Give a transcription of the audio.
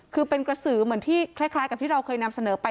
คือเป็นกระสือเหมือนที่คล้ายกับที่เราเคยนำเสนอไป